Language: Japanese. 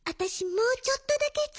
もうちょっとだけよ。